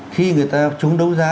khi người ta chúng đấu giá